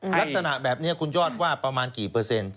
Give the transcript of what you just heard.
ลักษณะแบบนี้คุณยอดว่าประมาณกี่เปอร์เซ็นต์